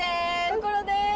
こころです！